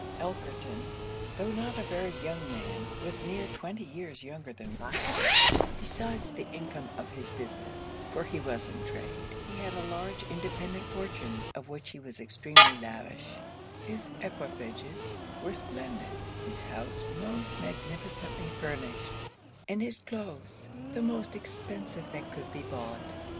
Elkerton, though not a very young man, was near twenty years younger than Rochely; besides the income of his business (for he was in trade) he had a large independent fortune, of which he was extremely lavish; his equipages were splendid; his house most magnificently furnished; and his cloaths the most expensive that could be bought.